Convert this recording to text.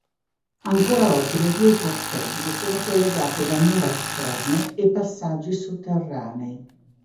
Ancora oggi le due fortezze sono collegate da mura esterne e passaggi sotterranei.